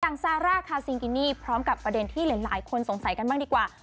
ซาร่าคาซิงกินี่พร้อมกับประเด็นที่หลายคนสงสัยกันบ้างดีกว่า